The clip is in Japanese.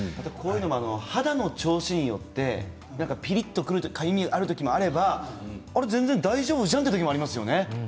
肌の調子によってピリッとくる時もあれば全然大丈夫じゃんっていう時もありますよね。